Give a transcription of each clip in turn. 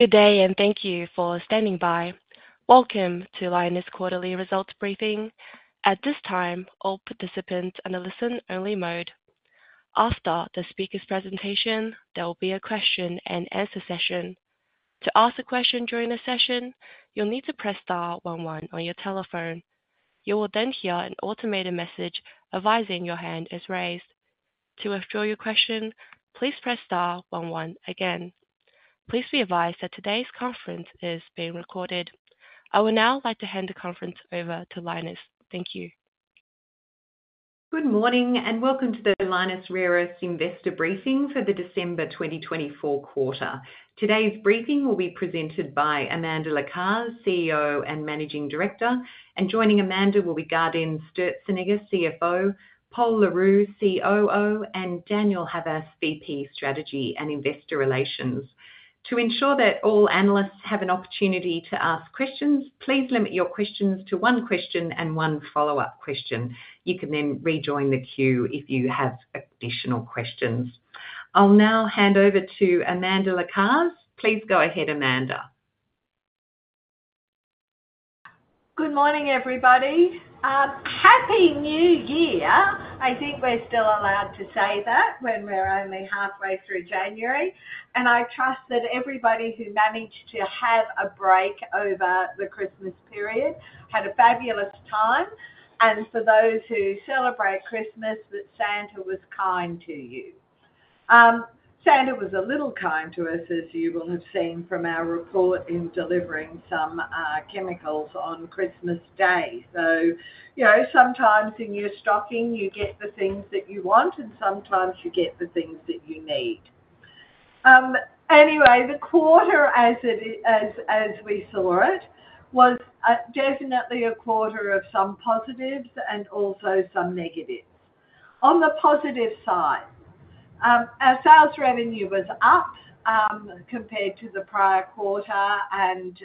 Good day, and thank you for standing by. Welcome to Lynas' quarterly results briefing. At this time, all participants are in a listen-only mode. After the speaker's presentation, there will be a question-and-answer session. To ask a question during the session, you'll need to press *11 on your telephone. You will then hear an automated message advising your hand is raised. To withdraw your question, please press *11 again. Please be advised that today's conference is being recorded. I would now like to hand the conference over to Lynas. Thank you. Good morning, and welcome to the Lynas Rare Earths Investor Briefing for the December 2024 quarter. Today's briefing will be presented by Amanda Lacaze, CEO and Managing Director, and joining Amanda will be Gaudenz Sturzenegger, CFO, Pol Le Roux, COO, and Daniel Havas, VP Strategy and Investor Relations. To ensure that all analysts have an opportunity to ask questions, please limit your questions to one question and one follow-up question. You can then rejoin the queue if you have additional questions. I'll now hand over to Amanda Lacaze. Please go ahead, Amanda. Good morning, everybody. Happy New Year. I think we're still allowed to say that when we're only halfway through January. I trust that everybody who managed to have a break over the Christmas period had a fabulous time. For those who celebrate Christmas, that Santa was kind to you. Santa was a little kind to us, as you will have seen from our report in delivering some chemicals on Christmas Day. Sometimes in your stocking, you get the things that you want, and sometimes you get the things that you need. Anyway, the quarter, as we saw it, was definitely a quarter of some positives and also some negatives. On the positive side, our sales revenue was up compared to the prior quarter and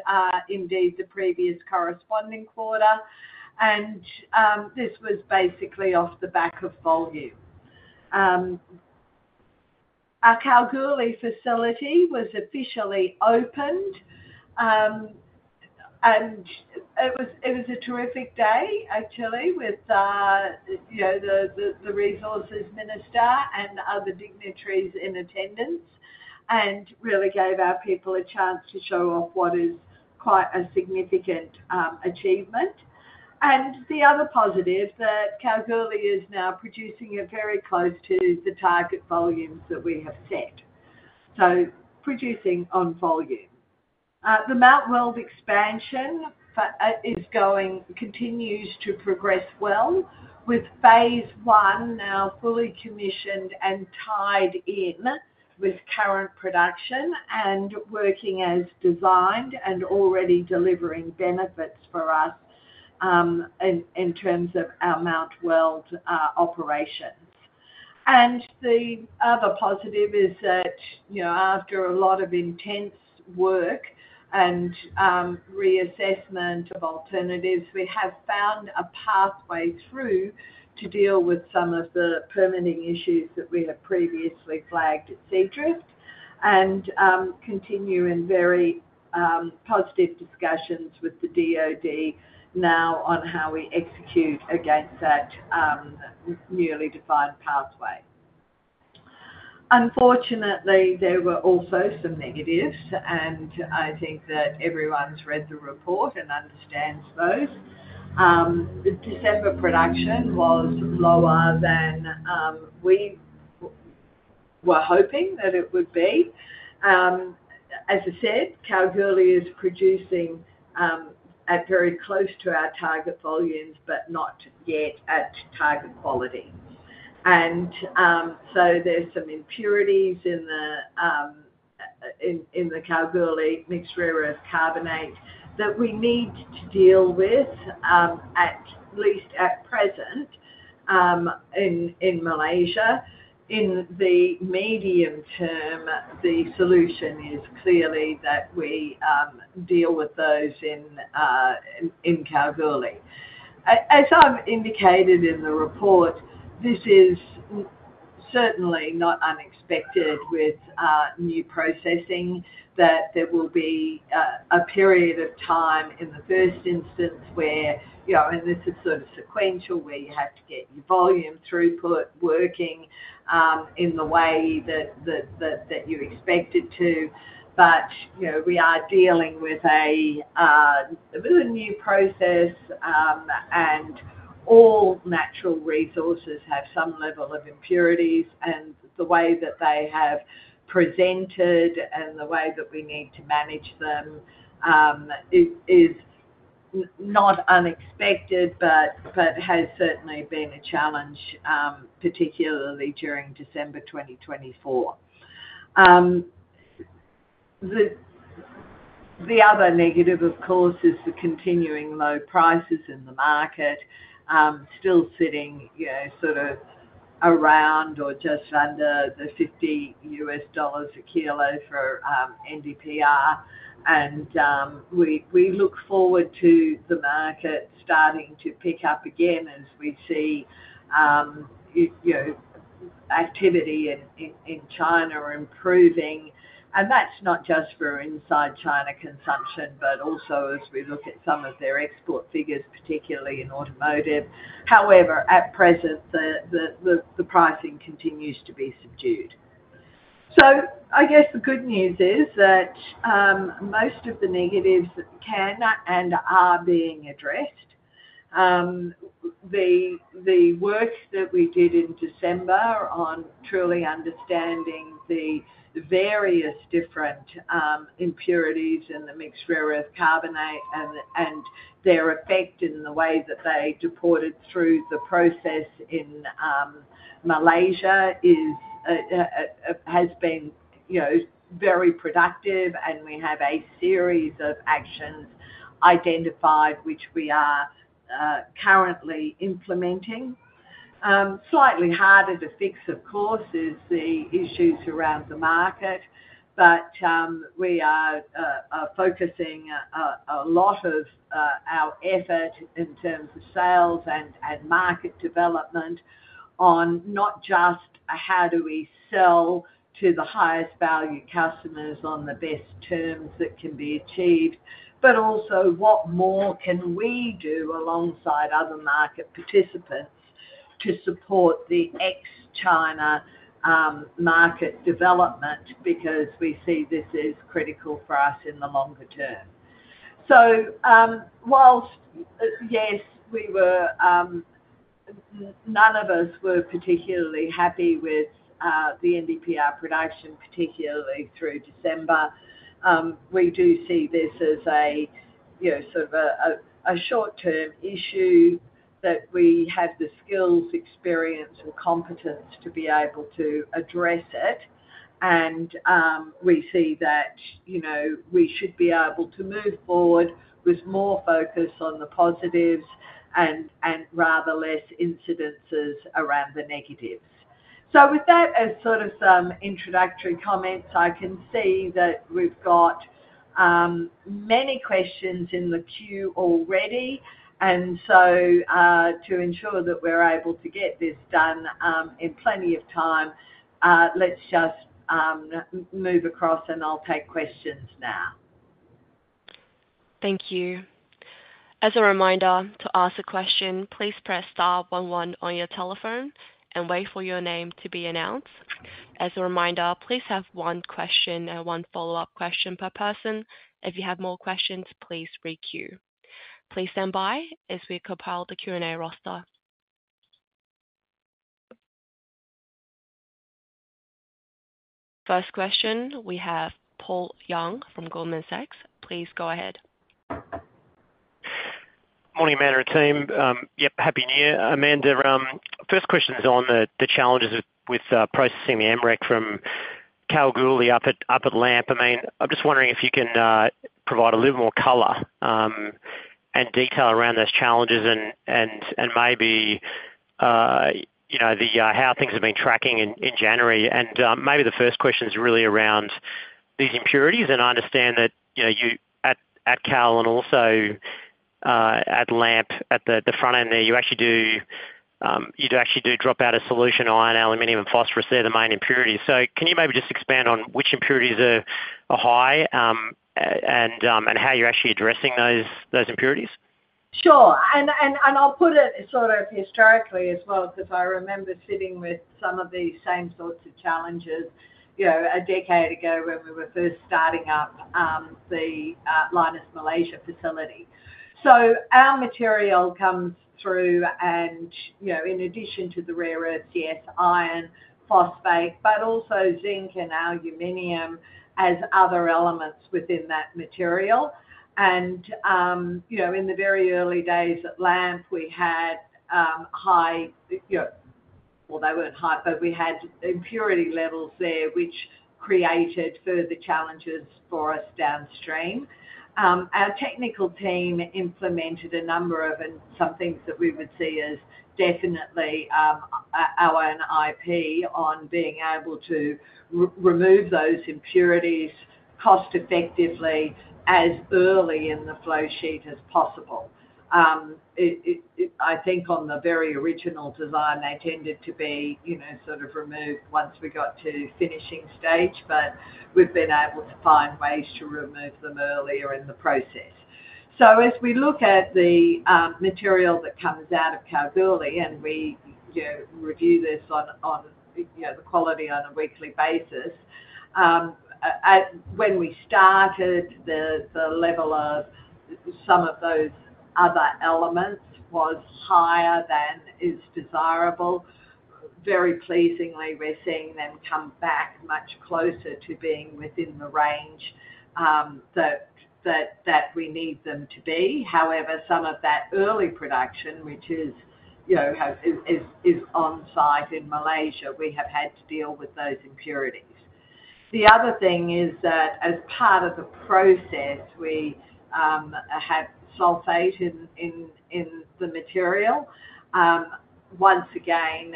indeed the previous corresponding quarter. This was basically off the back of volume. Our Kalgoorlie facility was officially opened. It was a terrific day, actually, with the Resources Minister and other dignitaries in attendance, and really gave our people a chance to show off what is quite a significant achievement. The other positive, that Kalgoorlie is now producing very close to the target volumes that we have set, so producing on volume. The Mt Weld expansion continues to progress well, with phase one now fully commissioned and tied in with current production and working as designed and already delivering benefits for us in terms of our Mt Weld operations. The other positive is that after a lot of intense work and reassessment of alternatives, we have found a pathway through to deal with some of the permitting issues that we had previously flagged at Seadrift and continue in very positive discussions with the DOD now on how we execute against that newly defined pathway. Unfortunately, there were also some negatives, and I think that everyone's read the report and understands those. December production was lower than we were hoping that it would be. As I said, Kalgoorlie is producing at very close to our target volumes, but not yet at target quality. And so there's some impurities in the Kalgoorlie mixed rare earth carbonate that we need to deal with, at least at present in Malaysia. In the medium term, the solution is clearly that we deal with those in Kalgoorlie. As I've indicated in the report, this is certainly not unexpected with new processing, that there will be a period of time in the first instance where, and this is sort of sequential, where you have to get your volume throughput working in the way that you expect it to. But we are dealing with a new process, and all natural resources have some level of impurities. And the way that they have presented and the way that we need to manage them is not unexpected but has certainly been a challenge, particularly during December 2024. The other negative, of course, is the continuing low prices in the market, still sitting sort of around or just under $50 a kilo for NdPr. And we look forward to the market starting to pick up again as we see activity in China improving. And that's not just for inside China consumption, but also as we look at some of their export figures, particularly in automotive. However, at present, the pricing continues to be subdued. So I guess the good news is that most of the negatives can and are being addressed. The work that we did in December on truly understanding the various different impurities in the mixed rare earth carbonate and their effect in the way that they deported through the process in Malaysia has been very productive, and we have a series of actions identified, which we are currently implementing. Slightly harder to fix, of course, is the issues around the market, but we are focusing a lot of our effort in terms of sales and market development on not just how do we sell to the highest value customers on the best terms that can be achieved, but also what more can we do alongside other market participants to support the ex-China market development, because we see this is critical for us in the longer term. While, yes, none of us were particularly happy with the NdPr production, particularly through December, we do see this as a sort of a short-term issue that we have the skills, experience, and competence to be able to address it. And we see that we should be able to move forward with more focus on the positives and rather less incidences around the negatives. So with that as sort of some introductory comments, I can see that we've got many questions in the queue already. And so to ensure that we're able to get this done in plenty of time, let's just move across, and I'll take questions now. Thank you. As a reminder, to ask a question, please press *11 on your telephone and wait for your name to be announced. As a reminder, please have one question and one follow-up question per person. If you have more questions, please requeue. Please stand by as we compile the Q&A roster. First question, we have Paul Young from Goldman Sachs. Please go ahead. Morning, Amanda. Yep, happy New Year. Amanda, first question is on the challenges with processing the MREC from Kalgoorlie up at LAMP. I mean, I'm just wondering if you can provide a little more color and detail around those challenges and maybe how things have been tracking in January, and maybe the first question is really around these impurities. And I understand that you at CAL and also at LAMP at the front end there, you actually do drop out a solution, iron, aluminum, and phosphorus. They're the main impurities. So can you maybe just expand on which impurities are high and how you're actually addressing those impurities? Sure. And I'll put it sort of historically as well, because I remember sitting with some of these same sorts of challenges a decade ago when we were first starting up the Lynas Malaysia facility. So our material comes through, and in addition to the rare earths, yes, iron, phosphate, but also zinc and aluminum as other elements within that material. And in the very early days at LAMP, we had high, well, they weren't high, but we had impurity levels there, which created further challenges for us downstream. Our technical team implemented a number of some things that we would see as definitely our own IP on being able to remove those impurities cost-effectively as early in the flow sheet as possible. I think on the very original design, they tended to be sort of removed once we got to finishing stage, but we've been able to find ways to remove them earlier in the process, so as we look at the material that comes out of Kalgoorlie, and we review this on the quality on a weekly basis, when we started, the level of some of those other elements was higher than is desirable. Very pleasingly, we're seeing them come back much closer to being within the range that we need them to be. However, some of that early production, which is on-site in Malaysia, we have had to deal with those impurities. The other thing is that as part of the process, we have sulfate in the material. Once again,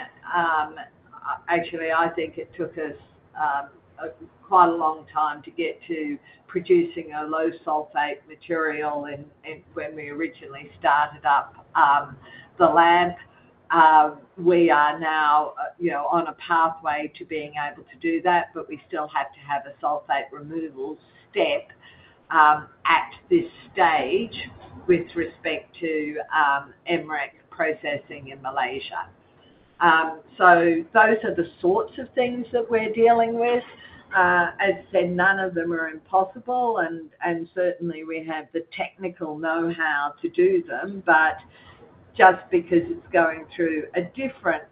actually, I think it took us quite a long time to get to producing a low-sulfate material when we originally started up the LAMP. We are now on a pathway to being able to do that, but we still have to have a sulfate removal step at this stage with respect to MREC processing in Malaysia. So those are the sorts of things that we're dealing with. As I said, none of them are impossible, and certainly we have the technical know-how to do them. But just because it's going through a different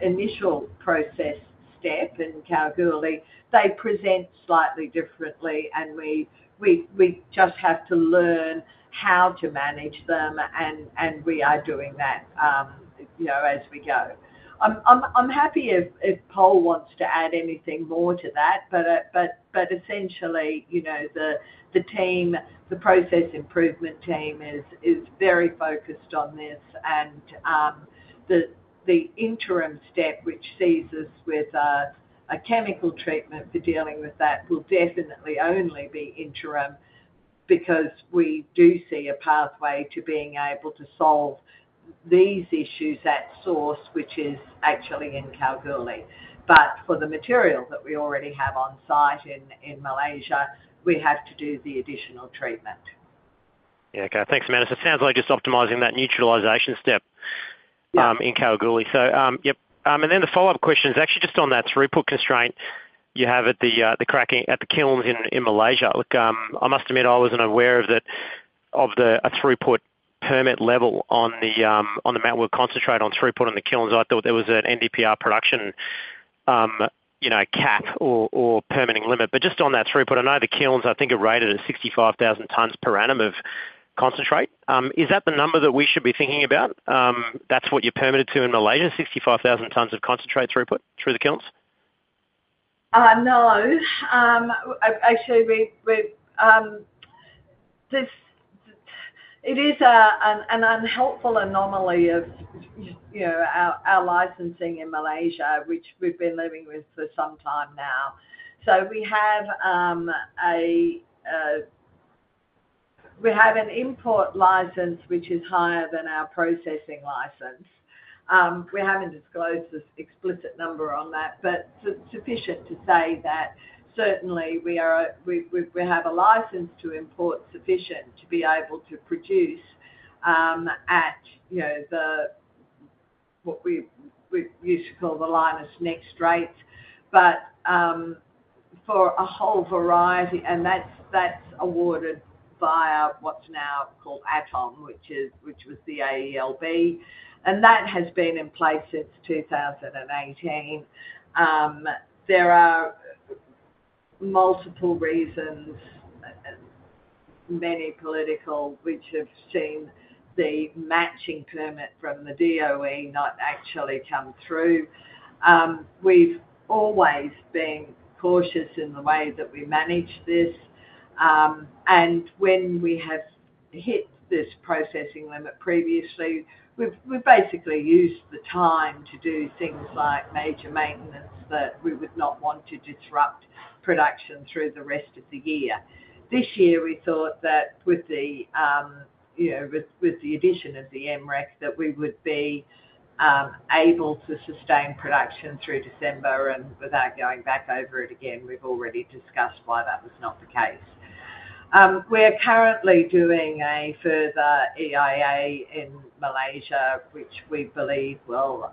initial process step in Kalgoorlie, they present slightly differently, and we just have to learn how to manage them. And we are doing that as we go. I'm happy if Paul wants to add anything more to that. But essentially, the process improvement team is very focused on this. And the interim step, which sees us with a chemical treatment for dealing with that, will definitely only be interim because we do see a pathway to being able to solve these issues at source, which is actually in Kalgoorlie. But for the material that we already have on-site in Malaysia, we have to do the additional treatment. Yeah, okay. Thanks, Amanda. So it sounds like just optimizing that neutralization step in Kalgoorlie. So yep. And then the follow-up question is actually just on that throughput constraint you have at the kilns in Malaysia. I must admit I wasn't aware of a throughput permit level on the Mt Weld concentrate on throughput in the kilns. I thought there was an NdPr production cap or permitting limit. But just on that throughput, I know the kilns, I think, are rated at 65,000 tons per annum of concentrate. Is that the number that we should be thinking about? That's what you're permitted to in Malaysia, 65,000 tons of concentrate throughput through the kilns? No. Actually, it is an unhelpful anomaly of our licensing in Malaysia, which we've been living with for some time now. So we have an import license, which is higher than our processing license. We haven't disclosed this explicit number on that, but sufficient to say that certainly we have a license to import sufficient to be able to produce at what we used to call the Lynas Next rates. But for a whole variety, and that's awarded via what's now called ATOM, which was the AELB, and that has been in place since 2018. There are multiple reasons, many political, which have seen the matching permit from the DOE not actually come through. We've always been cautious in the way that we manage this. When we have hit this processing limit previously, we've basically used the time to do things like major maintenance that we would not want to disrupt production through the rest of the year. This year, we thought that with the addition of the MREC, that we would be able to sustain production through December. And without going back over it again, we've already discussed why that was not the case. We're currently doing a further EIA in Malaysia, which we believe will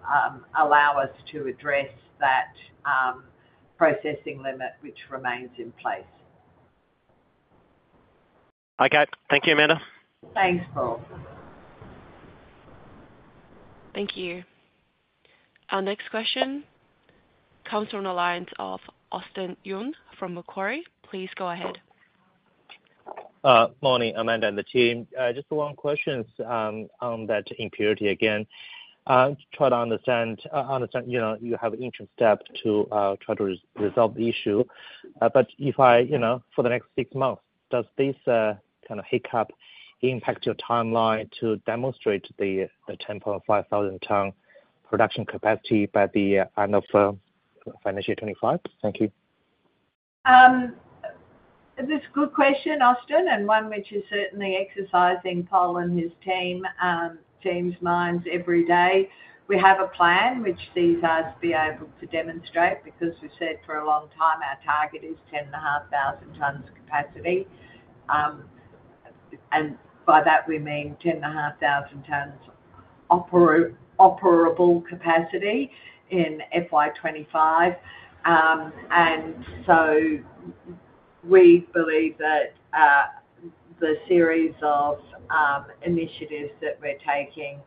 allow us to address that processing limit, which remains in place. Okay. Thank you, Amanda. Thanks, Paul. Thank you. Our next question comes from the line of Austin Yun from Macquarie. Please go ahead. Morning, Amanda and the team. Just one question on that impurity again. I'm trying to understand you have an interim step to try to resolve the issue. But if for the next six months, does this kind of hiccup impact your timeline to demonstrate the 10.5 thousand ton production capacity by the end of financial year 2025? Thank you. This is a good question, Austin, and one which is certainly exercising Paul and his team's minds every day. We have a plan which sees us be able to demonstrate because we've said for a long time our target is 10.5 thousand tons capacity. And by that, we mean 10.5 thousand tons operable capacity in FY 2025. And so we believe that the series of initiatives that we're taking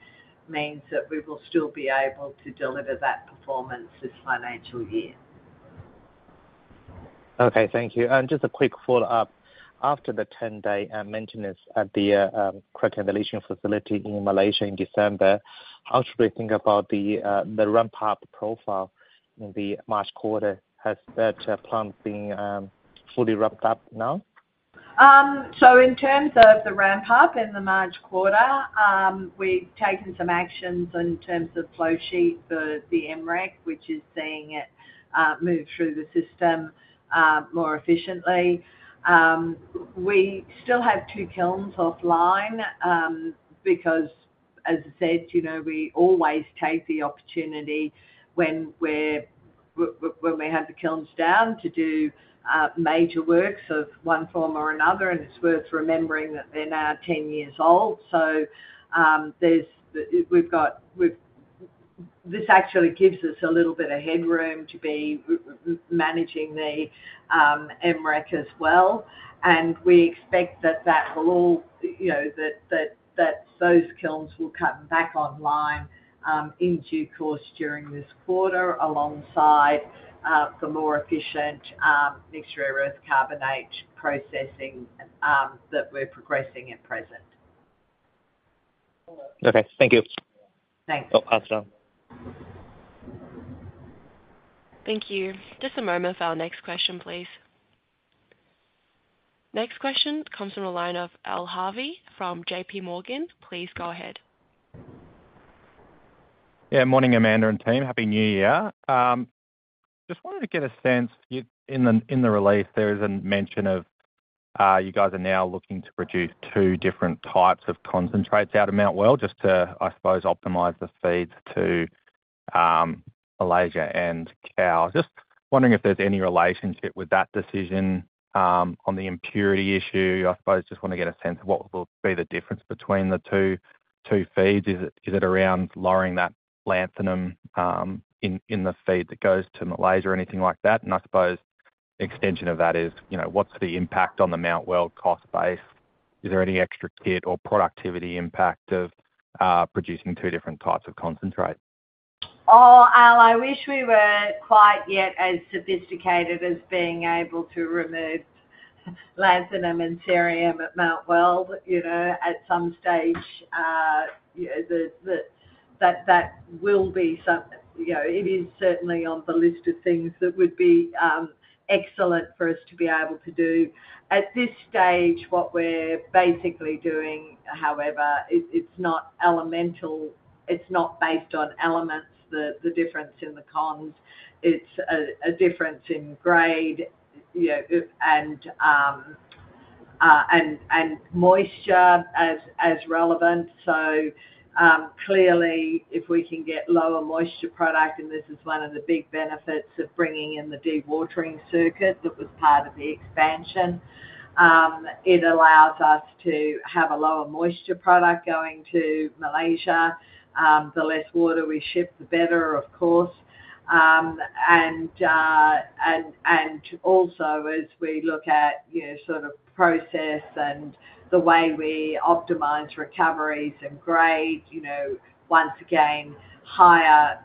means that we will still be able to deliver that performance this financial year. Okay. Thank you. Just a quick follow-up. After the 10-day maintenance at the Cracking and Leaching Facility in Malaysia in December, how should we think about the ramp-up profile in the March quarter? Has that plan been fully ramped up now? In terms of the ramp-up in the March quarter, we've taken some actions in terms of flow sheet for the MREC, which is seeing it move through the system more efficiently. We still have two kilns offline because, as I said, we always take the opportunity when we have the kilns down to do major works of one form or another. It's worth remembering that they're now 10 years old. This actually gives us a little bit of headroom to be managing the MREC as well. We expect that those kilns will come back online of course during this quarter alongside the more efficient mixed rare earth carbonate processing that we're progressing at present. Okay. Thank you. Thanks. Thank you. Just a moment for our next question, please. Next question comes from the line of Al Harvey from JPMorgan. Please go ahead. Yeah. Morning, Amanda and team. Happy New Year. Just wanted to get a sense. In the release, there is a mention of you guys are now looking to produce two different types of concentrates out of Mt Weld just to, I suppose, optimize the feeds to Malaysia and Kalgoorlie. Just wondering if there's any relationship with that decision on the impurity issue. I suppose just want to get a sense of what will be the difference between the two feeds. Is it around lowering that lanthanum in the feed that goes to Malaysia or anything like that? And I suppose extension of that is what's the impact on the Mt Weld cost base? Is there any extra kit or productivity impact of producing two different types of concentrate? Oh, Al, I wish we were not quite yet as sophisticated as being able to remove lanthanum and cerium at Mt Weld at some stage. That will be something that is certainly on the list of things that would be excellent for us to be able to do. At this stage, what we're basically doing, however, it's not elemental. It's not based on elements, the difference in the cons. It's a difference in grade and moisture as relevant. So clearly, if we can get lower moisture product, and this is one of the big benefits of bringing in the dewatering circuit that was part of the expansion, it allows us to have a lower moisture product going to Malaysia. The less water we ship, the better, of course. Also, as we look at sort of process and the way we optimize recoveries and grade, once again, higher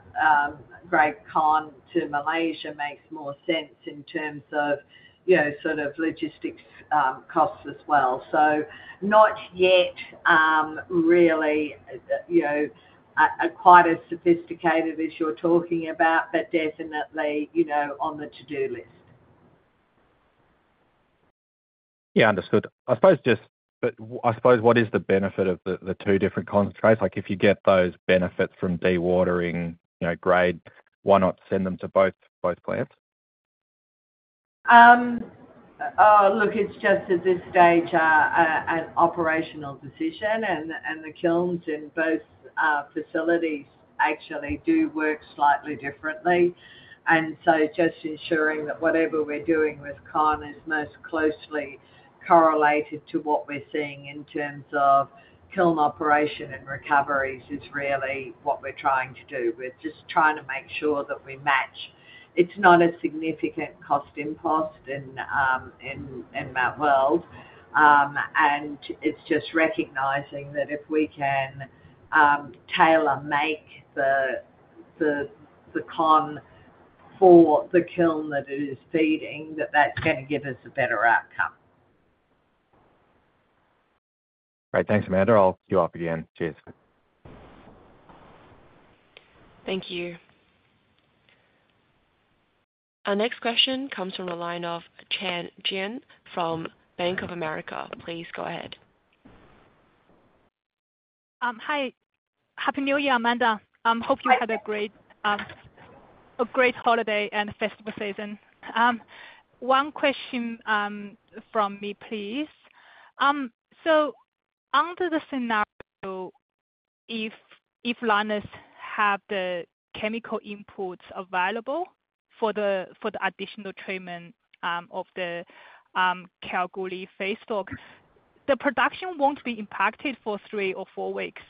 grade con to Malaysia makes more sense in terms of sort of logistics costs as well. Not yet really quite as sophisticated as you're talking about, but definitely on the to-do list. Yeah, understood. I suppose just, what is the benefit of the two different concentrates? If you get those benefits from dewatering grade, why not send them to both plants? Look, it's just at this stage an operational decision, and the kilns in both facilities actually do work slightly differently, and so just ensuring that whatever we're doing with con is most closely correlated to what we're seeing in terms of kiln operation and recoveries is really what we're trying to do. We're just trying to make sure that we match. It's not a significant cost impost in Mt Weld, and it's just recognizing that if we can tailor-make the con for the kiln that it is feeding, that that's going to give us a better outcome. Great. Thanks, Amanda. I'll cue up again. Cheers. Thank you. Our next question comes from the line of Chen Jiang from Bank of America. Please go ahead. Hi. Happy New Year, Amanda. Hope you had a great holiday and festival season. One question from me, please. Under the scenario, if Lynas have the chemical inputs available for the additional treatment of the Kalgoorlie feedstocks, the production won't be impacted for three or four weeks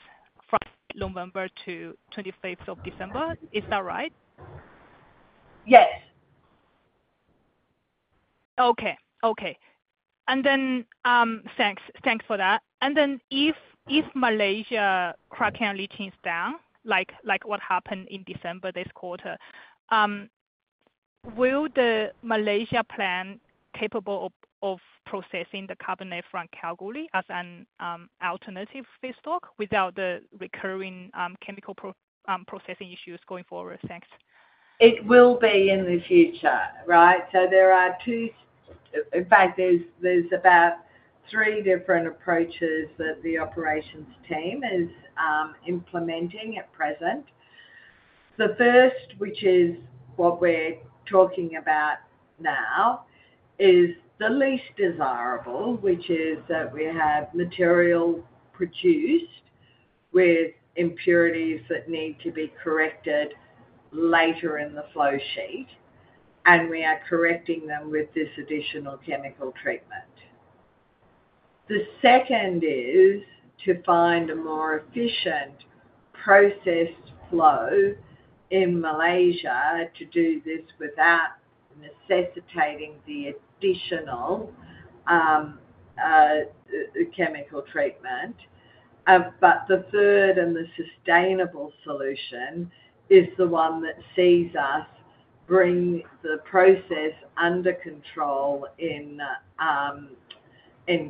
from November to 25th of December. Is that right? Yes. Thanks for that. If Malaysia Cracking and Leaching is down, like what happened in December this quarter, will the Malaysia plant capable of processing the carbonate from Kalgoorlie as an alternative feedstock without the recurring chemical processing issues going forward? Thanks. It will be in the future, right? So there are two, in fact, there's about three different approaches that the operations team is implementing at present. The first, which is what we're talking about now, is the least desirable, which is that we have material produced with impurities that need to be corrected later in the flow sheet, and we are correcting them with this additional chemical treatment. The second is to find a more efficient process flow in Malaysia to do this without necessitating the additional chemical treatment. But the third and the sustainable solution is the one that sees us bring the process under control in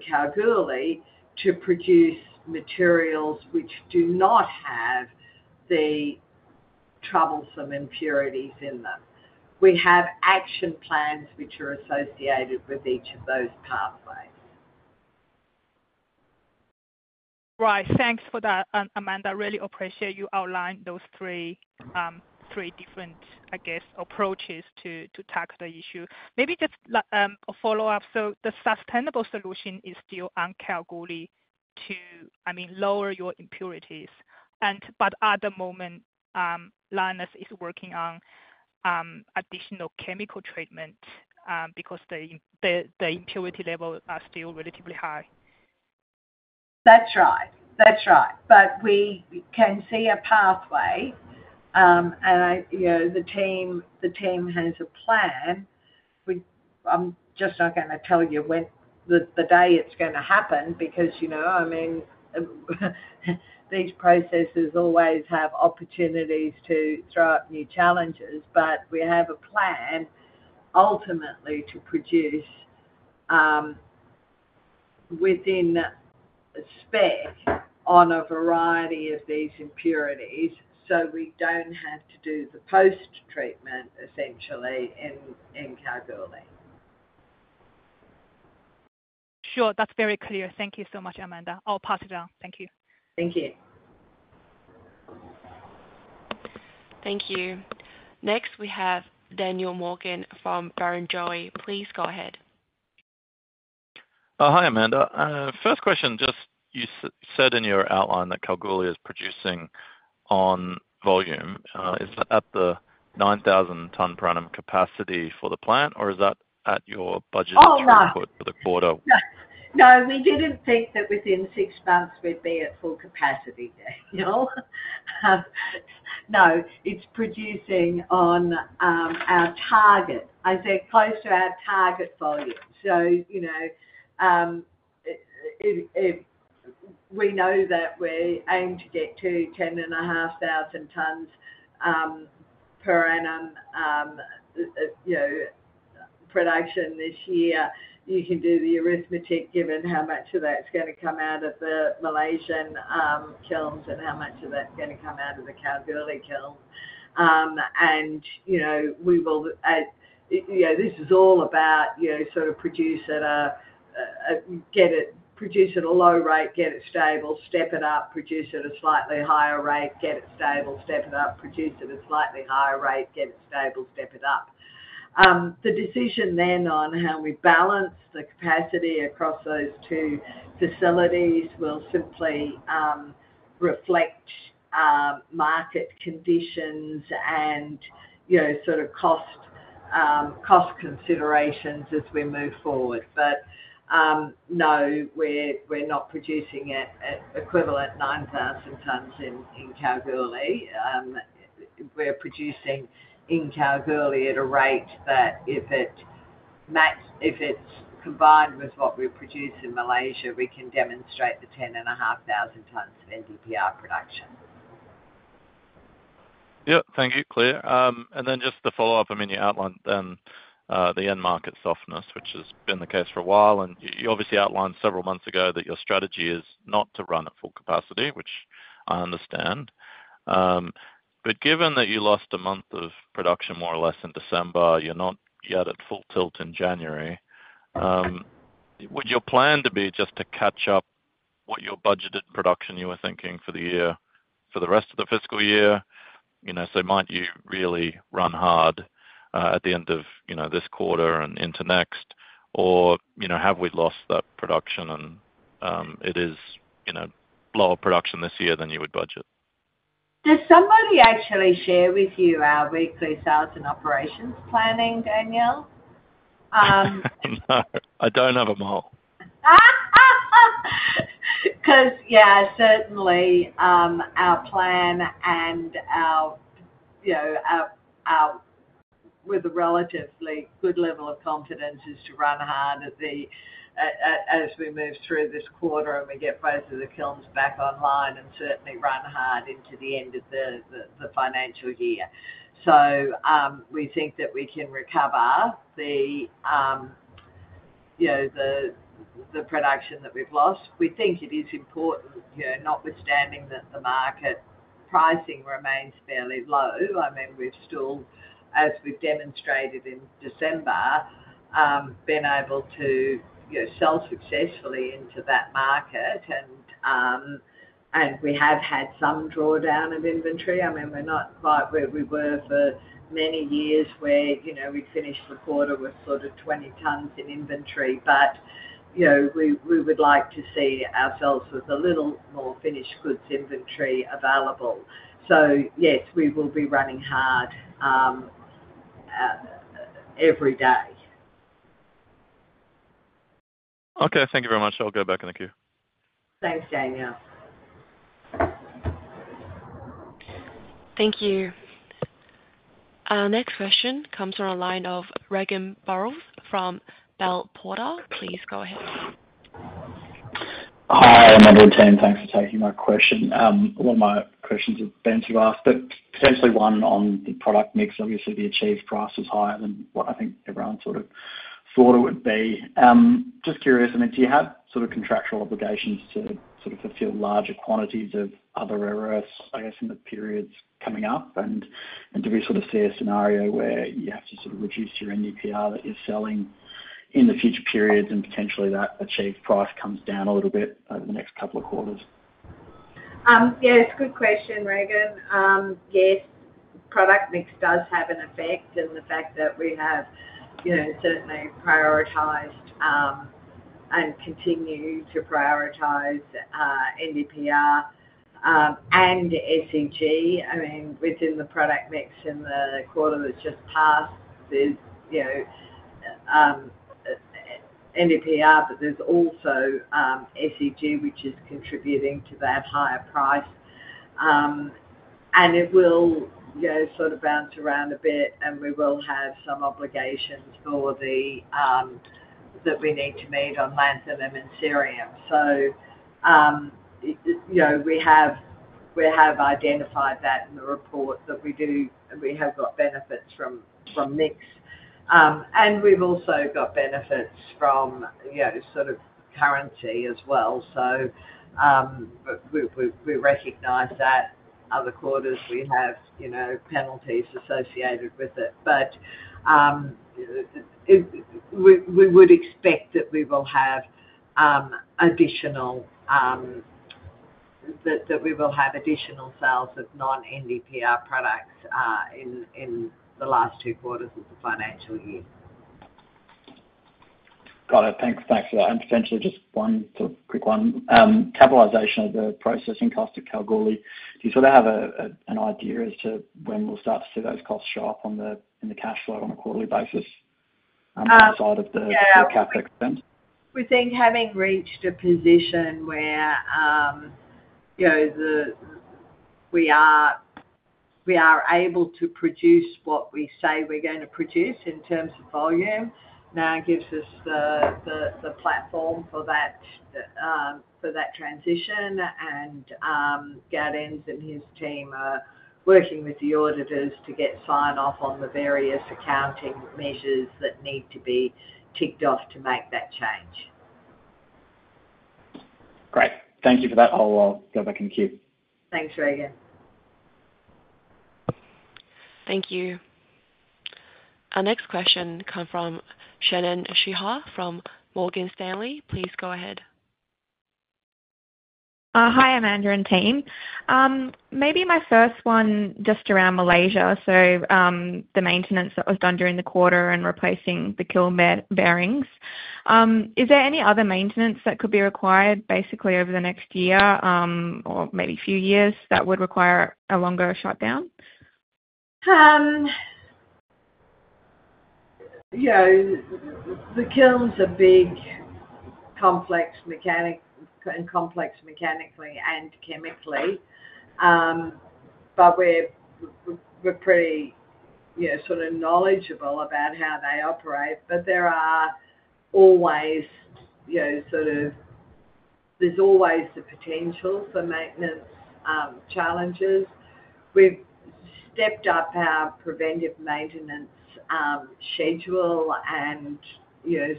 Kalgoorlie to produce materials which do not have the troublesome impurities in them. We have action plans which are associated with each of those pathways. Right. Thanks for that, Amanda. Really appreciate you outlined those three different, I guess, approaches to tackle the issue. Maybe just a follow-up. So the sustainable solution is still on Kalgoorlie to, I mean, lower your impurities. But at the moment, Lynas is working on additional chemical treatment because the impurity levels are still relatively high. That's right. That's right. But we can see a pathway. And the team has a plan. I'm just not going to tell you the day it's going to happen because, I mean, these processes always have opportunities to throw up new challenges. But we have a plan ultimately to produce within spec on a variety of these impurities so we don't have to do the post-treatment, essentially, in Kalgoorlie. Sure. That's very clear. Thank you so much, Amanda. I'll pass it down. Thank you. Thank you. Thank you. Next, we have Daniel Morgan from Barrenjoey. Please go ahead. Hi, Amanda. First question, just you said in your outline that Kalgoorlie is producing on volume. Is that at the 9,000-ton per annum capacity for the plant, or is that at your budget for the quarter? Oh, no. No. We didn't think that within six months we'd be at full capacity. No. It's producing on our target. I said close to our target volume. So we know that we're aiming to get to 10.5 thousand tons per annum production this year. You can do the arithmetic given how much of that's going to come out of the Malaysian kilns and how much of that's going to come out of the Kalgoorlie kilns. And we will. This is all about sort of produce at a low rate, get it stable, step it up, produce at a slightly higher rate, get it stable, step it up, produce at a slightly higher rate, get it stable, step it up. The decision then on how we balance the capacity across those two facilities will simply reflect market conditions and sort of cost considerations as we move forward. But no, we're not producing at equivalent 9,000 tons in Kalgoorlie. We're producing in Kalgoorlie at a rate that if it's combined with what we produce in Malaysia, we can demonstrate the 10.5 thousand tons of NdPr production. Yep. Thank you, clear. And then just to follow up, I mean, you outlined then the end market softness, which has been the case for a while. And you obviously outlined several months ago that your strategy is not to run at full capacity, which I understand. But given that you lost a month of production more or less in December, you're not yet at full tilt in January. Would your plan be just to catch up what your budgeted production you were thinking for the year for the rest of the fiscal year? So might you really run hard at the end of this quarter and into next? Or have we lost that production and it is lower production this year than you would budget? Does somebody actually share with you our weekly sales and operations planning, Daniel? No. I don't have a model. Because, yeah, certainly our plan and our with a relatively good level of confidence is to run hard as we move through this quarter and we get both of the kilns back online and certainly run hard into the end of the financial year. So we think that we can recover the production that we've lost. We think it is important, notwithstanding that the market pricing remains fairly low. I mean, we've still, as we've demonstrated in December, been able to sell successfully into that market. And we have had some drawdown of inventory. I mean, we're not quite where we were for many years where we'd finish the quarter with sort of 20 tons in inventory. But we would like to see ourselves with a little more finished goods inventory available. So yes, we will be running hard every day. Okay. Thank you very much. I'll go back and then queue. Thanks, Daniel. Thank you. Our next question comes from a line of Regan Burrows from Bell Potter. Please go ahead. Hi, Amanda Lacaze. Thanks for taking my question. One of my questions has been to ask potentially one on the product mix. Obviously, the achieved price is higher than what I think everyone sort of thought it would be. Just curious, I mean, do you have sort of contractual obligations to sort of fulfill larger quantities of other REOs, I guess, in the periods coming up? And do we sort of see a scenario where you have to sort of reduce your NdPr that you're selling in the future periods and potentially that achieved price comes down a little bit over the next couple of quarters? Yeah. It's a good question, Regan. Yes, product mix does have an effect in the fact that we have certainly prioritized and continue to prioritize NdPr and SEG. I mean, within the product mix in the quarter that's just passed, there's NdPr, but there's also SEG, which is contributing to that higher price. And it will sort of bounce around a bit, and we will have some obligations that we need to meet on lanthanum and cerium. So we have identified that in the report that we do, and we have got benefits from mix. And we've also got benefits from sort of currency as well. So we recognize that other quarters we have penalties associated with it. But we would expect that we will have additional sales of non-NdPr products in the last two quarters of the financial year. Got it. Thanks for that. And potentially just one sort of quick one. Capitalization of the processing cost of Kalgoorlie, do you sort of have an idea as to when we'll start to see those costs show up in the cash flow on a quarterly basis outside of the CapEx spend? We think having reached a position where we are able to produce what we say we're going to produce in terms of volume now gives us the platform for that transition, and Gaudenz and his team are working with the auditors to get sign-off on the various accounting measures that need to be ticked off to make that change. Great. Thank you for that. I'll go back and queue. Thanks, Reagan. Thank you. Our next question comes from Shannon Sinha from Morgan Stanley. Please go ahead. Hi, Amanda and team. Maybe my first one just around Malaysia. So the maintenance that was done during the quarter and replacing the kiln bearings. Is there any other maintenance that could be required basically over the next year or maybe a few years that would require a longer shutdown? Yeah. The kilns are big and complex mechanically and chemically. But we're pretty sort of knowledgeable about how they operate. But there are always sort of the potential for maintenance challenges. We've stepped up our preventive maintenance schedule and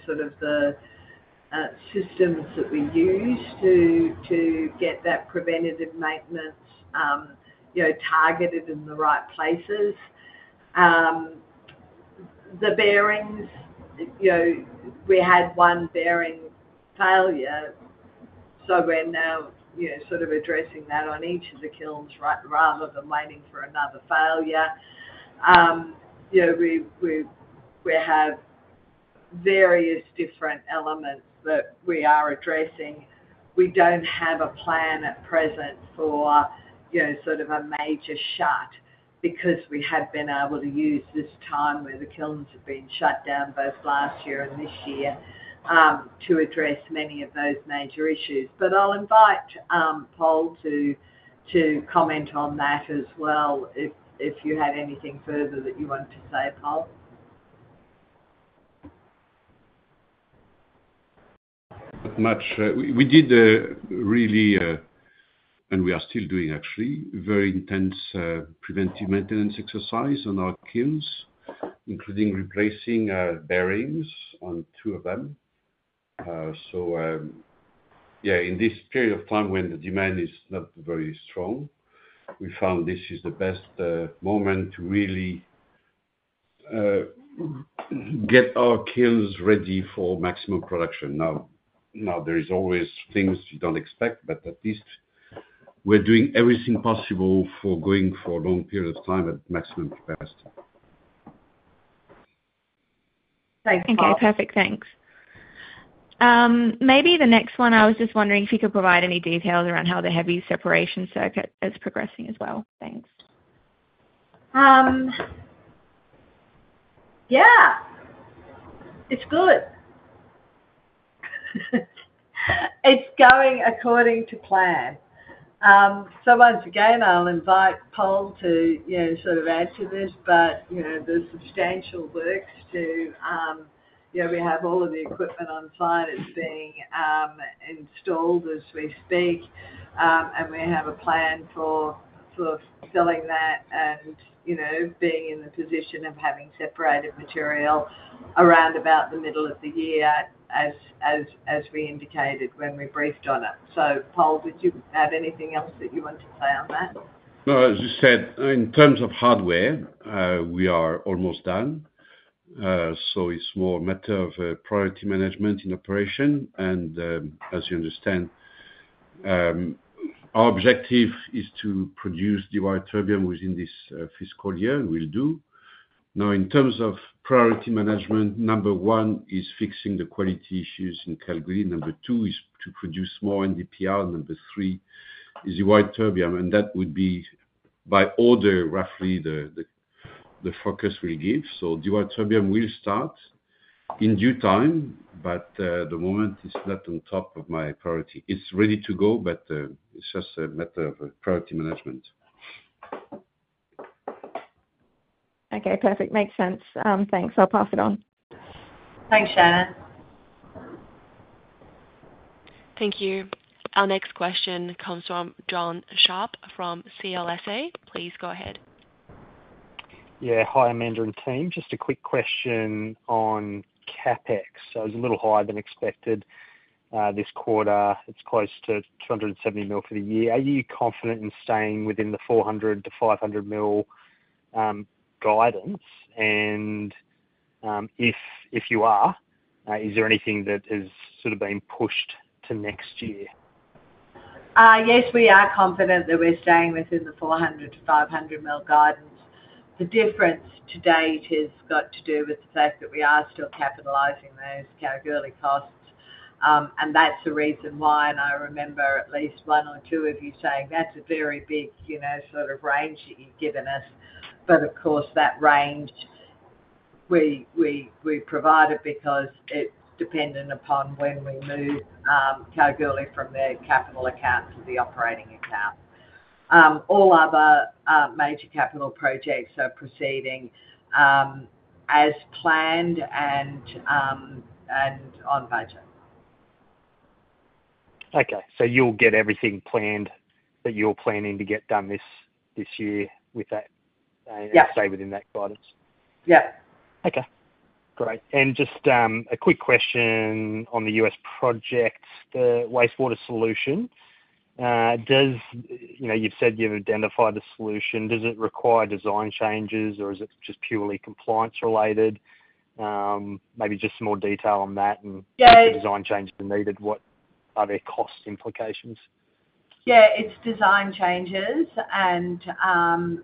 sort of the systems that we use to get that preventive maintenance targeted in the right places. The bearings, we had one bearing failure. So we're now sort of addressing that on each of the kilns rather than waiting for another failure. We have various different elements that we are addressing. We don't have a plan at present for sort of a major shut because we have been able to use this time where the kilns have been shut down both last year and this year to address many of those major issues. But I'll invite Pol to comment on that as well if you had anything further that you wanted to say, Paul. As much. We did really, and we are still doing actually, very intense preventive maintenance exercise on our kilns, including replacing bearings on two of them. So yeah, in this period of time when the demand is not very strong, we found this is the best moment to really get our kilns ready for maximum production. Now, there are always things you don't expect, but at least we're doing everything possible for going for a long period of time at maximum capacity. Thanks. Thank you. Perfect. Thanks. Maybe the next one, I was just wondering if you could provide any details around how the Heavy Separation Circuit is progressing as well? Thanks. Yeah. It's good. It's going according to plan. So once again, I'll invite Pol to sort of answer this. But the substantial works, too. We have all of the equipment on site that's being installed as we speak. And we have a plan for selling that and being in the position of having separated material around about the middle of the year as we indicated when we briefed on it. So Paul, did you have anything else that you wanted to say on that? As you said, in terms of hardware, we are almost done, so it's more a matter of priority management in operation, and as you understand, our objective is to produce dysprosium terbium within this fiscal year, and we'll do. Now, in terms of priority management, number one is fixing the quality issues in Kalgoorlie. Number two is to produce more NdPr. Number three is dysprosium terbium, and that would be, by order, roughly the focus we'll give, so dysprosium terbium will start in due time, but at the moment, it's not on top of my priority. It's ready to go, but it's just a matter of priority management. Okay. Perfect. Makes sense. Thanks. I'll pass it on. Thanks, Shannon. Thank you. Our next question comes from John Sharp from CLSA. Please go ahead. Yeah. Hi, Amanda and team. Just a quick question on CapEx. So it was a little higher than expected this quarter. It's close to 270 million for the year. Are you confident in staying within the 400-500 million guidance? And if you are, is there anything that has sort of been pushed to next year? Yes, we are confident that we're staying within the AUD 400milion- 500 million guidance. The difference to date has got to do with the fact that we are still capitalizing those Kalgoorlie costs. And that's the reason why. And I remember at least one or two of you saying, "That's a very big sort of range that you've given us." But of course, that range we provide it because it's dependent upon when we move Kalgoorlie from the capital account to the operating account. All other major capital projects are proceeding as planned and on budget. Okay. So you'll get everything planned that you're planning to get done this year with that and stay within that guidance? Yep. Okay. Great. And just a quick question on the U.S. project, the wastewater solution. You've said you've identified the solution. Does it require design changes, or is it just purely compliance-related? Maybe just some more detail on that and what design changes are needed, what are their cost implications? Yeah. It's design changes, and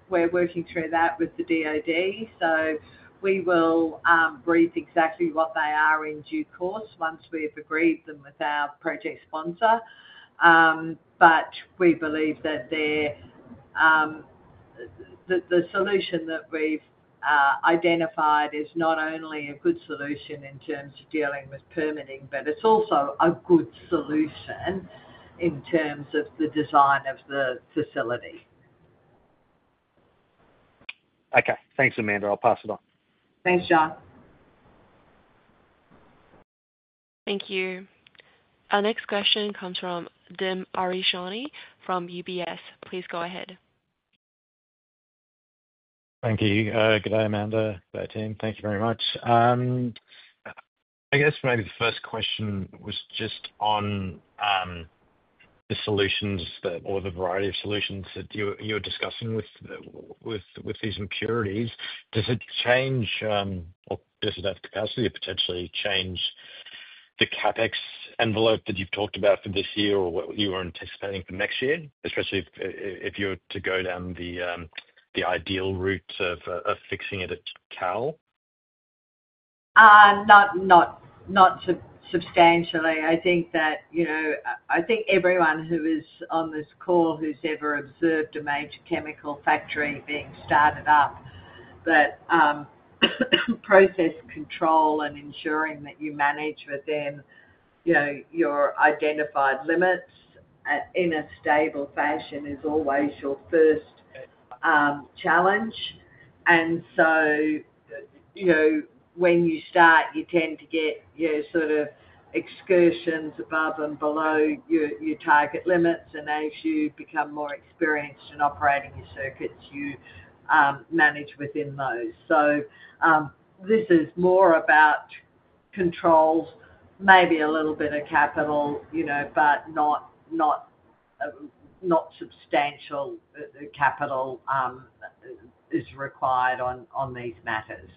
we're working through that with the DOD, so we will brief exactly what they are in due course once we have agreed them with our project sponsor, but we believe that the solution that we've identified is not only a good solution in terms of dealing with permitting, but it's also a good solution in terms of the design of the facility. Okay. Thanks, Amanda. I'll pass it on. Thanks, John. Thank you. Our next question comes from Dim Ariyasinghe from UBS. Please go ahead. Thank you. Good day, Amanda. Good day, team. Thank you very much. I guess maybe the first question was just on the solutions or the variety of solutions that you're discussing with these impurities. Does it change or does it have capacity to potentially change the CapEx envelope that you've talked about for this year or what you were anticipating for next year, especially if you were to go down the ideal route of fixing it at Cal? Not substantially. I think that I think everyone who is on this call who's ever observed a major chemical factory being started up, that process control and ensuring that you manage within your identified limits in a stable fashion is always your first challenge, and so when you start, you tend to get sort of excursions above and below your target limits, and as you become more experienced in operating your circuits, you manage within those, so this is more about controls, maybe a little bit of capital, but not substantial capital is required on these matters.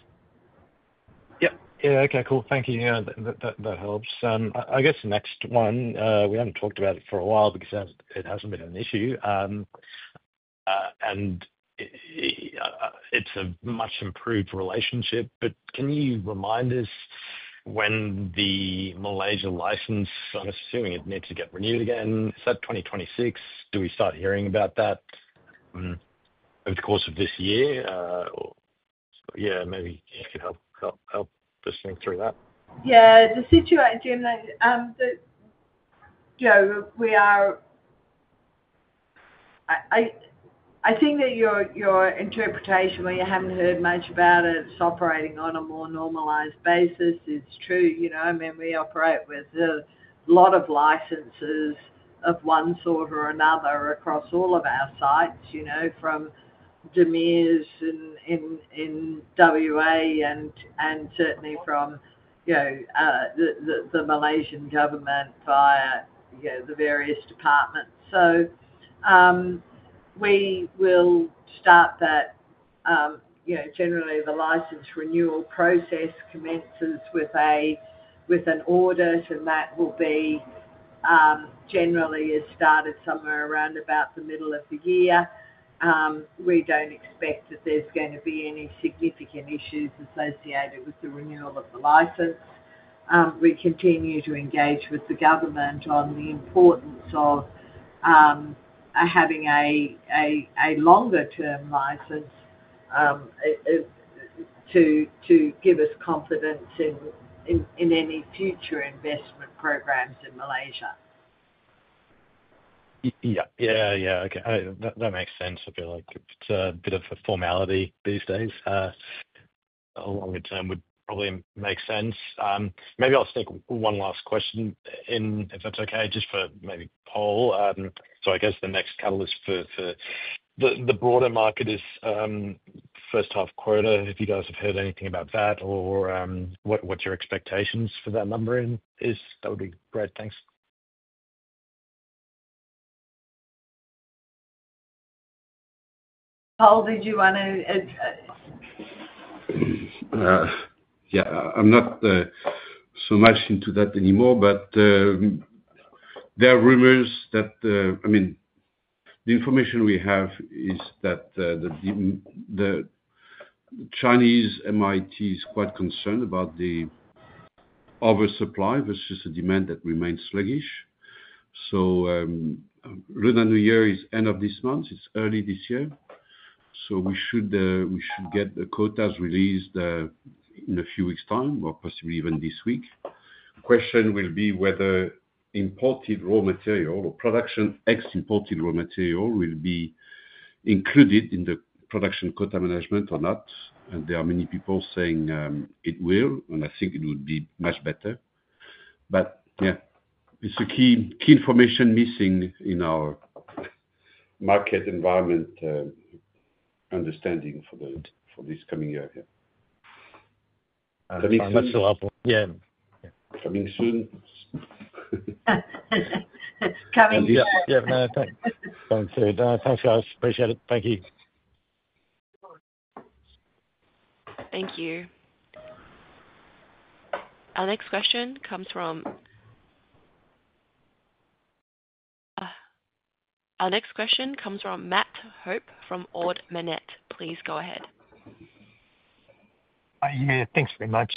Yep. Yeah. Okay. Cool. Thank you. That helps. I guess the next one, we haven't talked about it for a while because it hasn't been an issue. And it's a much improved relationship. But can you remind us when the Malaysia license, I'm assuming it needs to get renewed again, is that 2026? Do we start hearing about that over the course of this year? Yeah. Maybe you could help us think through that. Yeah. The situation that we are—I think that your interpretation, where you haven't heard much about it, it's operating on a more normalized basis is true. I mean, we operate with a lot of licenses of one sort or another across all of our sites from the mines in WA and certainly from the Malaysian government via the various departments. So we will start that. Generally, the license renewal process commences with an audit, and that will be generally started somewhere around about the middle of the year. We don't expect that there's going to be any significant issues associated with the renewal of the license. We continue to engage with the government on the importance of having a longer-term license to give us confidence in any future investment programs in Malaysia. Yeah. Yeah. Yeah. Okay. That makes sense. I feel like it's a bit of a formality these days. A longer term would probably make sense. Maybe I'll stick with one last question, if that's okay, just for maybe Paul. So I guess the next catalyst for the broader market is first half quarter, if you guys have heard anything about that or what your expectations for that number is. That would be great. Thanks. Pol, did you want to? Yeah. I'm not so much into that anymore. But there are rumors that, I mean, the information we have is that the Chinese MIIT is quite concerned about the oversupply versus the demand that remains sluggish. So Lunar New Year is the end of this month. It's early this year. So we should get the quotas released in a few weeks' time or possibly even this week. The question will be whether imported raw material or production ex-imported raw material will be included in the production quota management or not. And there are many people saying it will, and I think it would be much better. But yeah, it's the key information missing in our market environment understanding for this coming year. That makes sense. Yeah. Coming soon. Coming soon. Yeah. Yeah. No. Thanks. Thanks, guys. Appreciate it. Thank you. Thank you. Our next question comes from Matt Hope from Ord Minnett. Please go ahead. Yeah. Thanks very much.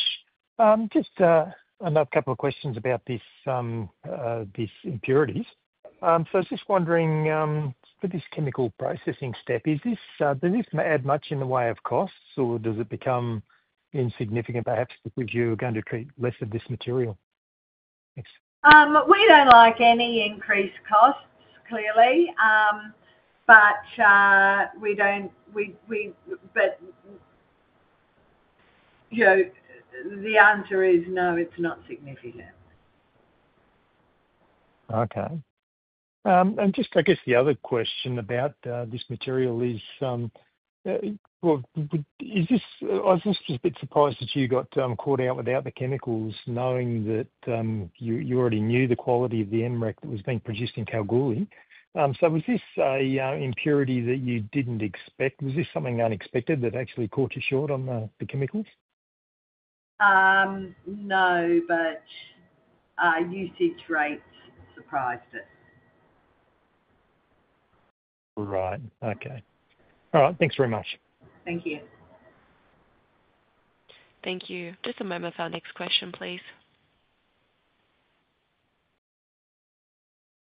Just another couple of questions about these impurities. So just wondering for this chemical processing step, does this add much in the way of costs, or does it become insignificant perhaps because you're going to treat less of this material? We don't like any increased costs, clearly. But the answer is no, it's not significant. Okay. And just I guess the other question about this material is, I was just a bit surprised that you got caught out without the chemicals knowing that you already knew the quality of the MREC that was being produced in Kalgoorlie. So was this an impurity that you didn't expect? Was this something unexpected that actually caught you short on the chemicals? No, but our usage rate surprised us. Right. Okay. All right. Thanks very much. Thank you. Thank you. Just a moment for our next question, please.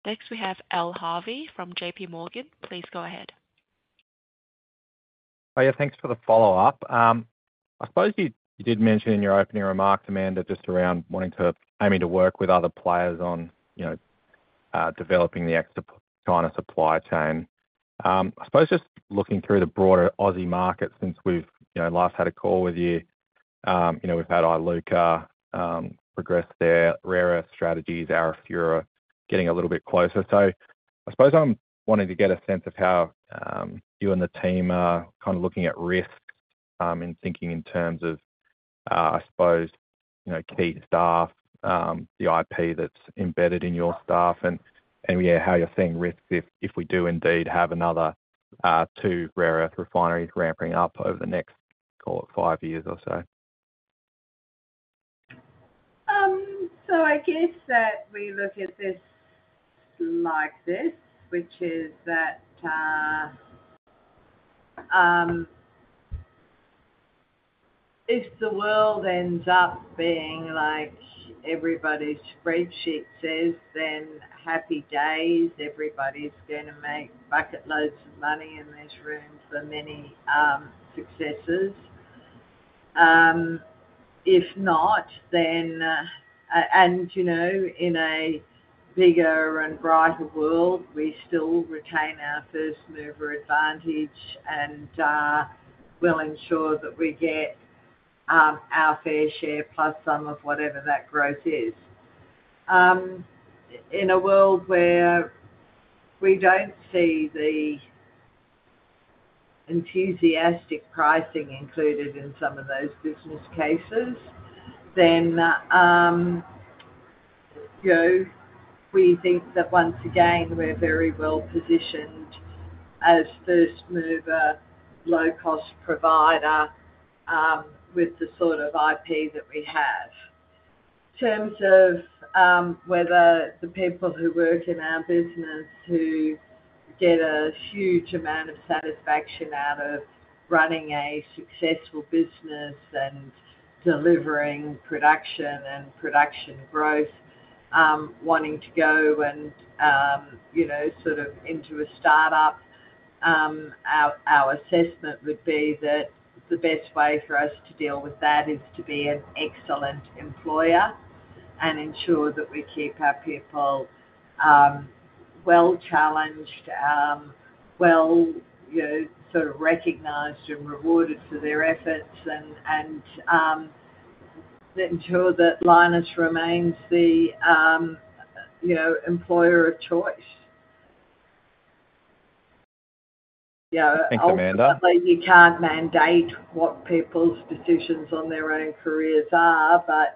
Next, we have Al Harvey from JPMorgan. Please go ahead. Yeah. Thanks for the follow-up. I suppose you did mention in your opening remarks, Amanda, just around wanting to aim to work with other players on developing the China supply chain. I suppose just looking through the broader Aussie market since we've last had a call with you, we've had Iluka progress their rare earth strategies, Arafura getting a little bit closer. So I suppose I'm wanting to get a sense of how you and the team are kind of looking at risks and thinking in terms of, I suppose, key staff, the IP that's embedded in your staff, and yeah, how you're seeing risks if we do indeed have another two Rare Earth refineries ramping up over the next, call it, five years or so. So I guess that we look at this like this, which is that if the world ends up being like everybody's spreadsheet says, then happy days, everybody's going to make bucketloads of money, and there's room for many successes. If not, then and in a bigger and brighter world, we still retain our first mover advantage and will ensure that we get our fair share plus some of whatever that growth is. In a world where we don't see the enthusiastic pricing included in some of those business cases, then we think that once again, we're very well positioned as first mover, low-cost provider with the sort of IP that we have. In terms of whether the people who work in our business, who get a huge amount of satisfaction out of running a successful business and delivering production and production growth, wanting to go and sort of into a startup, our assessment would be that the best way for us to deal with that is to be an excellent employer and ensure that we keep our people well challenged, well sort of recognized and rewarded for their efforts, and ensure that Lynas remains the employer of choice. Yeah. Thanks, Amanda. Ultimately, you can't mandate what people's decisions on their own careers are, but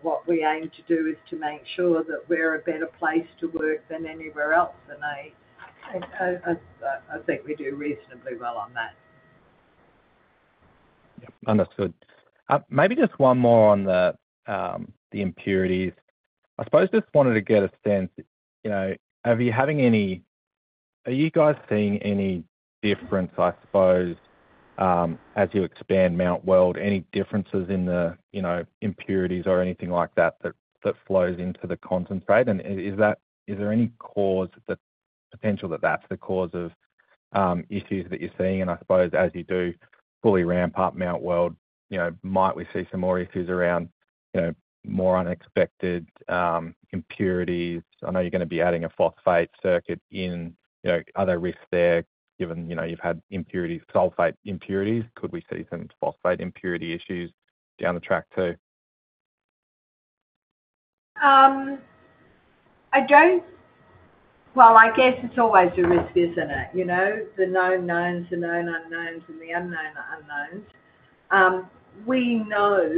what we aim to do is to make sure that we're a better place to work than anywhere else, and I think we do reasonably well on that. Yeah. Understood. Maybe just one more on the impurities. I suppose just wanted to get a sense, are you guys seeing any difference, I suppose, as you expand Mt Weld, any differences in the impurities or anything like that that flows into the concentrate? And is there any cause that potential that that's the cause of issues that you're seeing? And I suppose as you do fully ramp up Mt Weld, might we see some more issues around more unexpected impurities? I know you're going to be adding a phosphate circuit in. Are there risks there given you've had impurities, sulfate impurities? Could we see some phosphate impurity issues down the track too? I don't. Well, I guess it's always a risk, isn't it? The known knowns, the known unknowns, and the unknown unknowns. We know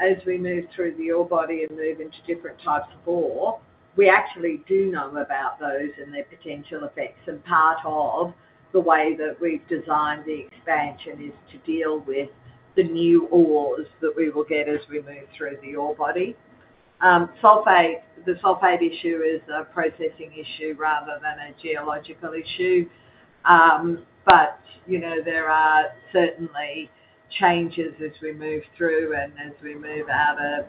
as we move through the ore body and move into different types of ore, we actually do know about those and their potential effects. And part of the way that we've designed the expansion is to deal with the new ores that we will get as we move through the ore body. The sulfate issue is a processing issue rather than a geological issue. But there are certainly changes as we move through and as we move out of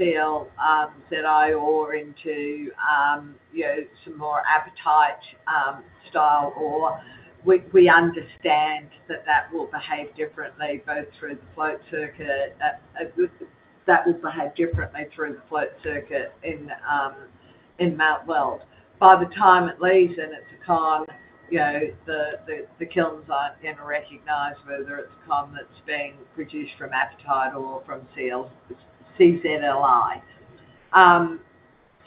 CZLI ore into some more apatite-style ore. We understand that that will behave differently both through the float circuit in Mt Weld. By the time it leaves and it's a con, the kilns aren't going to recognize whether it's a con that's being produced from apatite or from CZLI.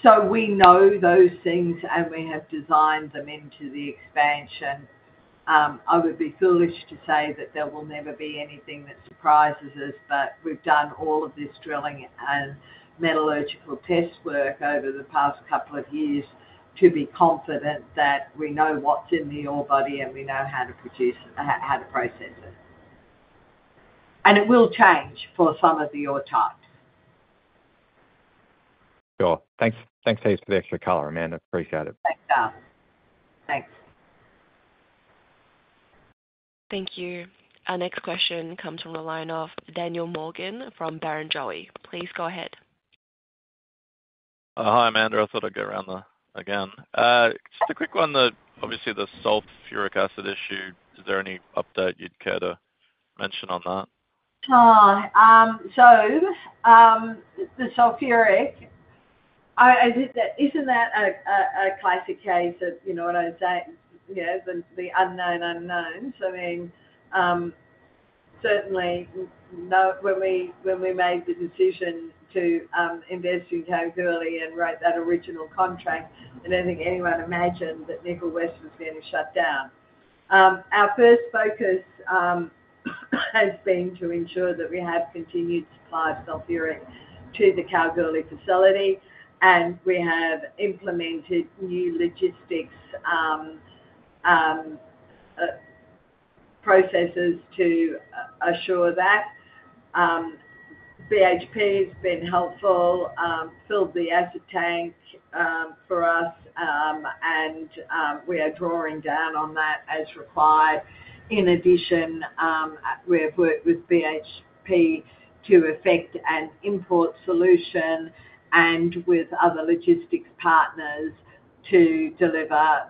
So we know those things, and we have designed them into the expansion. I would be foolish to say that there will never be anything that surprises us, but we've done all of this drilling and metallurgical test work over the past couple of years to be confident that we know what's in the ore body and we know how to process it. It will change for some of the ore types. Sure. Thanks, thanks for the extra color, Amanda. Appreciate it. Thanks, darling. Thanks. Thank you. Our next question comes from the line of Daniel Morgan from Barrenjoey. Please go ahead. Hi, Amanda. I thought I'd get around there again. Just a quick one, obviously the sulfuric acid issue. Is there any update you'd care to mention on that? Sure. So the sulfuric, isn't that a classic case of, you know what I was saying, the unknown unknowns? I mean, certainly when we made the decision to invest in Kalgoorlie and write that original contract, I don't think anyone imagined that Nickel West was going to shut down. Our first focus has been to ensure that we have continued supply of sulfuric to the Kalgoorlie facility, and we have implemented new logistics processes to assure that. BHP has been helpful, filled the acid tank for us, and we are drawing down on that as required. In addition, we have worked with BHP to effect an import solution and with other logistics partners to deliver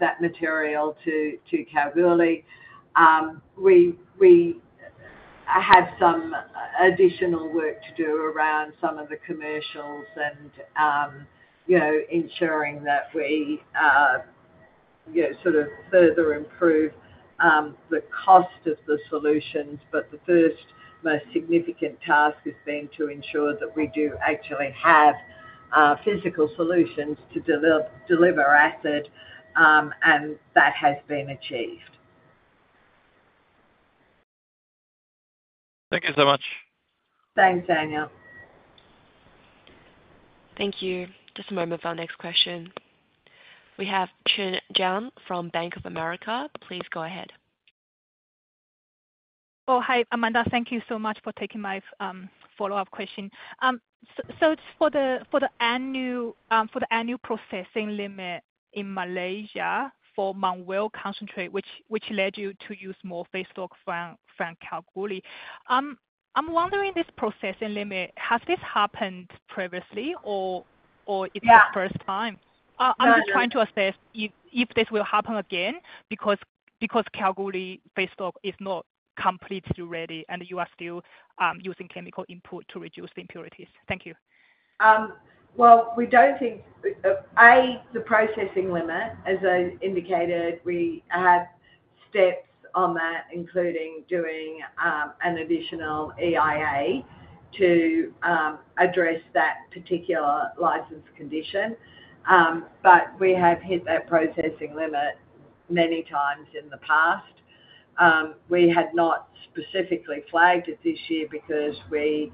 that material to Kalgoorlie. We have some additional work to do around some of the commercials and ensuring that we sort of further improve the cost of the solutions. But the first most significant task has been to ensure that we do actually have physical solutions to deliver acid, and that has been achieved. Thank you so much. Thanks, Daniel. Thank you. Just a moment for our next question. We have Chen Jiang from Bank of America. Please go ahead. Oh, hi, Amanda. Thank you so much for taking my follow-up question. So for the annual processing limit in Malaysia for Mt Weld concentrate, which led you to use more feedstock from Kalgoorlie, I'm wondering this processing limit, has this happened previously or is this the first time? I'm just trying to assess if this will happen again because Kalgoorlie feedstock is not completely ready and you are still using chemical input to reduce the impurities. Thank you. We don't think the processing limit, as I indicated, we have steps on that, including doing an additional EIA to address that particular license condition. But we have hit that processing limit many times in the past. We had not specifically flagged it this year because we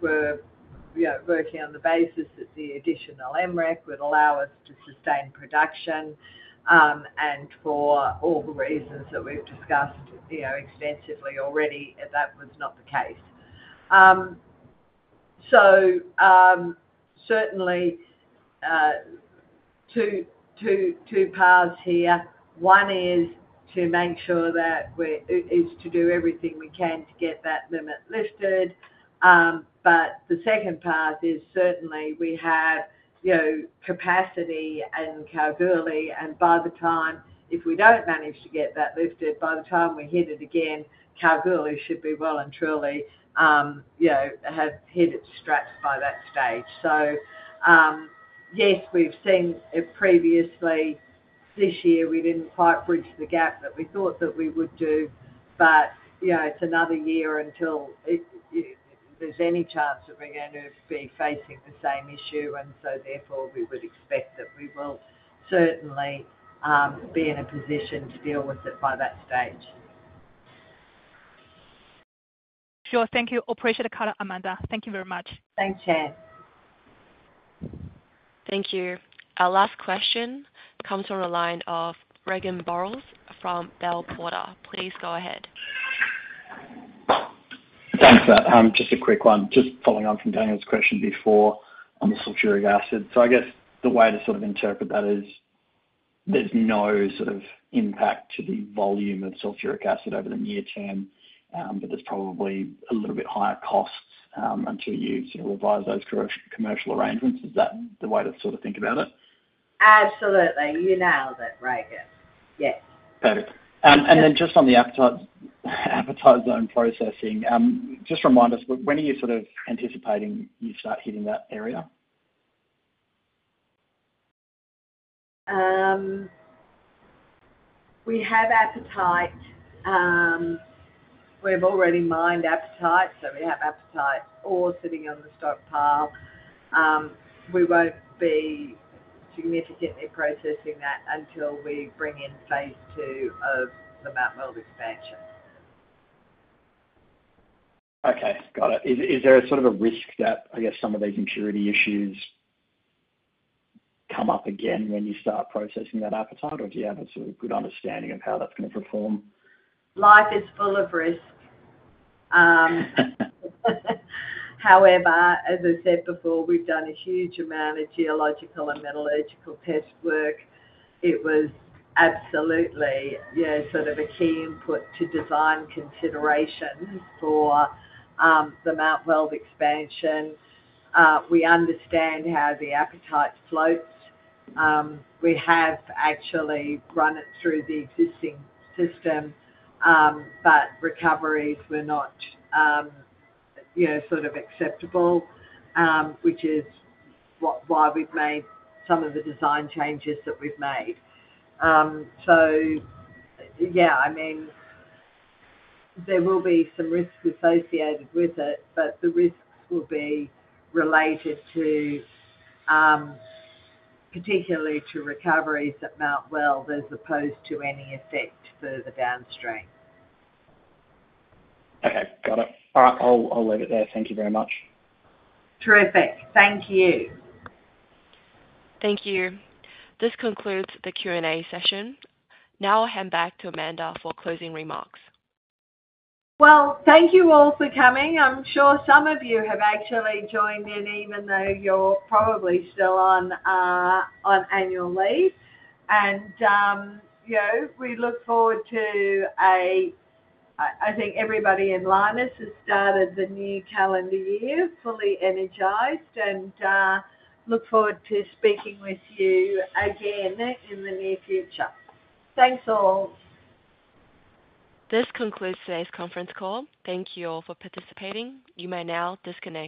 were working on the basis that the additional MREC would allow us to sustain production. And for all the reasons that we've discussed extensively already, that was not the case. So certainly two paths here. One is to make sure that we're to do everything we can to get that limit lifted. But the second path is certainly we have capacity in Kalgoorlie, and by the time if we don't manage to get that lifted, by the time we hit it again, Kalgoorlie should be well and truly have hit its stretch by that stage. So yes, we've seen it previously. This year, we didn't quite bridge the gap that we thought that we would do, but it's another year until there's any chance that we're going to be facing the same issue. And so therefore, we would expect that we will certainly be in a position to deal with it by that stage. Sure. Thank you. Appreciate the color, Amanda. Thank you very much. Thanks, Chan. Thank you. Our last question comes from the line of Regan Burrows from Bell Potter. Please go ahead. Thanks, but just a quick one, just following on from Daniel's question before on the sulfuric acid. So I guess the way to sort of interpret that is there's no sort of impact to the volume of sulfuric acid over the near term, but there's probably a little bit higher costs until you sort of revise those commercial arrangements. Is that the way to sort of think about it? Absolutely. You nailed it, Regan. Yes. Perfect. And then just on the apatite zone processing, just remind us, when are you sort of anticipating you start hitting that area? We have apatite. We've already mined apatite, so we have apatite ore sitting on the stockpile. We won't be significantly processing that until we bring in phase two of the Mt Weld expansion. Okay. Got it. Is there a sort of a risk that I guess some of these impurity issues come up again when you start processing that apatite, or do you have a sort of good understanding of how that's going to perform? Life is full of risk. However, as I said before, we've done a huge amount of geological and metallurgical test work. It was absolutely sort of a key input to design considerations for the Mt Weld expansion. We understand how the apatite floats. We have actually run it through the existing system, but recoveries were not sort of acceptable, which is why we've made some of the design changes that we've made. So yeah, I mean, there will be some risks associated with it, but the risks will be related to particularly to recoveries at Mt Weld as opposed to any effect further downstream. Okay. Got it. All right. I'll leave it there. Thank you very much. Terrific. Thank you. Thank you. This concludes the Q&A session. Now I'll hand back to Amanda for closing remarks. Thank you all for coming. I'm sure some of you have actually joined in, even though you're probably still on annual leave. We look forward to. I think everybody in Lynas has started the new calendar year fully energized and look forward to speaking with you again in the near future. Thanks all. This concludes today's conference call. Thank you all for participating. You may now disconnect.